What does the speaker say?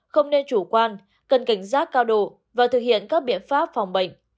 không nên chủ quan cần cảnh giác cao độ và thực hiện các biện pháp phòng bệnh